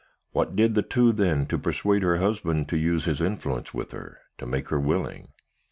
What did the two then, to persuade her husband to use his influence with her, to make her willing?'